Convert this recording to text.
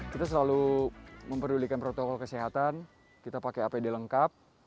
kita selalu memperdulikan protokol kesehatan kita pakai apd lengkap